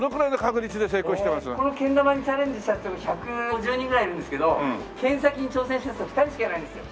このけん玉にチャレンジした人１５０人ぐらいいるんですけどけん先に挑戦した人は２人しかいないんですよ。